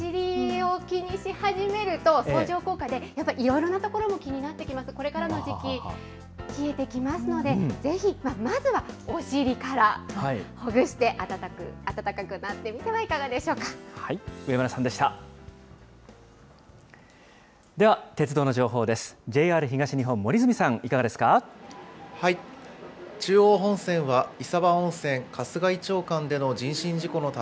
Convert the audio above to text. やっぱりお尻を気にし始めると、相乗効果でやっぱりいろいろなところも気になってきます、これからの時期、冷えてきますので、ぜひ、まずはお尻からほぐして温かくなってみてはいかがでしょう上村さんでした。